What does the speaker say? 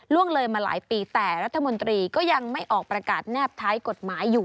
เลยมาหลายปีแต่รัฐมนตรีก็ยังไม่ออกประกาศแนบท้ายกฎหมายอยู่